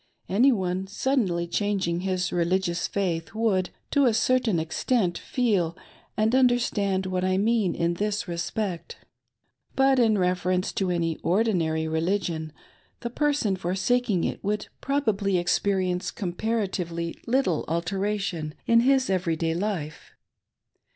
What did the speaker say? Any one suddenly changing his religious faith would, to a certain extent, feel and understand what I mean in this respect. But in reference to any ordinary religion, the person forsaking it would probably experience comparatively little alteration in his every day hfe.